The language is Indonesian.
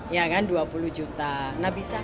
ya kan rp dua puluh juta